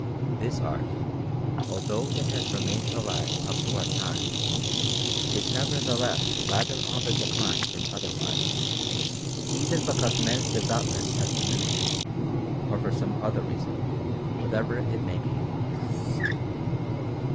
This art, although it has remained alive up to our own time, is nevertheless rather on the decline than otherwise, either because men's devoutness has diminished, or for some other reason, whatever it may be.